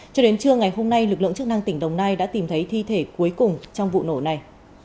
cho đến trưa ngày hôm nay lực lượng chức năng tỉnh đồng nai đã tìm thấy thi thể cuối cùng trong vụ nổ này